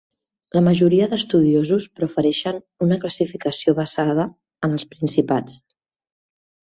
La majoria d'estudiosos prefereixen una classificació basada en els principats.